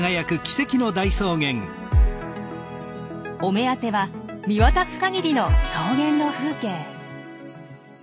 お目当ては見渡す限りの草原の風景。